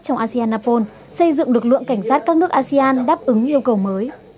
trong asean apol xây dựng lực lượng cảnh sát các nước asean đáp ứng yêu cầu mới